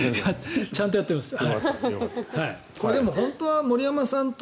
ちゃんとやってます。